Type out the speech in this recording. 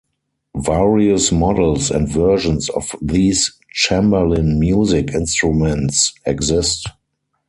Various models and versions of these Chamberlin music instruments exist.